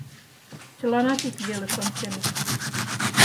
Чыланат ик велыш онченыт.